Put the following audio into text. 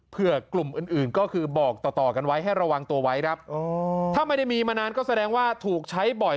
เพื่อกลุ่มอื่นอื่นก็คือบอกต่อต่อกันไว้ให้ระวังตัวไว้ครับถ้าไม่ได้มีมานานก็แสดงว่าถูกใช้บ่อย